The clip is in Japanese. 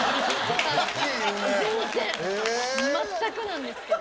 全くなんですけど。